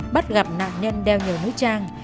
bắt gặp nạn nhân đeo nhiều mũi trang